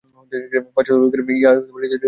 পাশ্চাত্যের লোকেরা ইহা হৃদয়ঙ্গম করিতে পারে না।